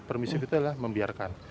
permisif itu adalah membiarkan